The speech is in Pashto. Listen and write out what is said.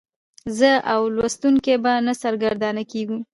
زه او لوستونکی به نه سرګردانه کیږو.